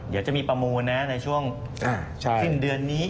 เดี๋ยวจะมีประมูลนะในช่วงสิ้นเดือนนี้